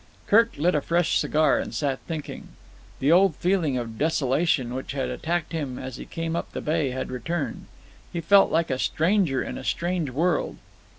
Kirk lit a fresh cigar and sat thinking. The old feeling of desolation which had attacked him as he came up the bay had returned. He felt like a stranger in a strange world.